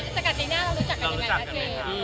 จากกับจิน่าเรารู้จักกันยังไงครับเกม